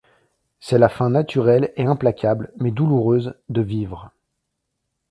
C'est la faim naturelle et implacable, mais douloureuse, de vivre.